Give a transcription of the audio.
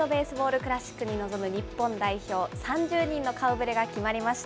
クラシックに臨む日本代表３０人の顔ぶれが決まりました。